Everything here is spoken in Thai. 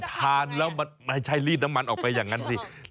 ทานแล้วมันไม่ใช่รีดน้ำมันออกไปอย่างนั้นสิ